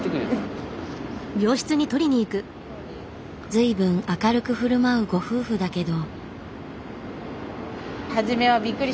随分明るくふるまうご夫婦だけど。